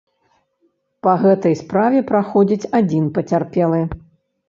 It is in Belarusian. Па гэтай справе праходзіць адзін пацярпелы.